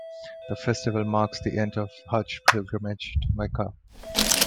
The festival marks the end of the Hajj pilgrimage to Mecca.